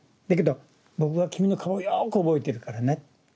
だけど「僕は君の顔よく覚えてるからね。